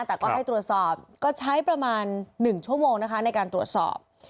แต่ก็ให้ตรวจสอบก็ใช้ประมาณ๑ชั่วโมงนะคะในการตรวจสอบ